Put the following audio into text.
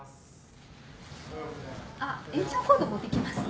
あっ延長コード持ってきますね。